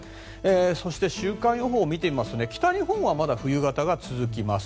そして、週間予報を見ると北日本はまだ冬型が続きます。